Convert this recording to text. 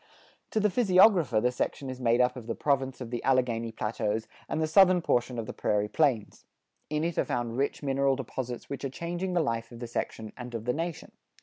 To the physiographer the section is made up of the province of the Alleghany Plateaus and the southern portion of the Prairie Plains. In it are found rich mineral deposits which are changing the life of the section and of the nation.